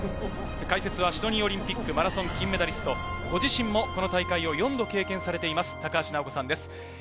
解説はシドニーオリンピックマラソン金メダリスト、ご自身もこの大会を４度経験している高橋尚子さんです。